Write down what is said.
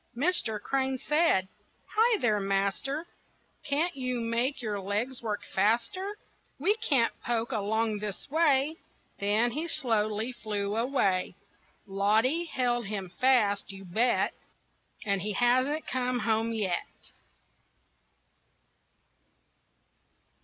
Mister Crane said: "Hi there, master, Can't you make your legs work faster? We can't poke along this way." Then he slowly flew away. Loddy held him fast, you bet, And he hasn't come home yet.